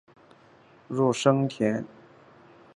入生田站的铁路车站。